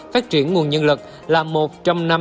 phát triển nguồn nhân lực là một trăm năm mươi